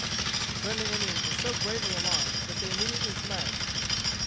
The friendly Indians were so greatly alarmed that they immediately fled.